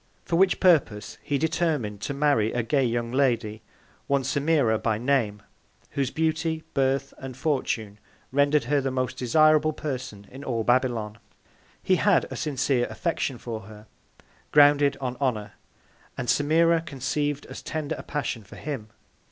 For which Purpose he determin'd to marry a gay young Lady (one Semira by name) whose Beauty, Birth and Fortune, render'd her the most desirable Person in all Babylon. He had a sincere Affection for her, grounded on Honour, and Semira conceiv'd as tender a Passion for him.